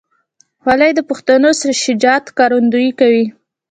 خولۍ د پښتنو شجاعت ښکارندویي کوي.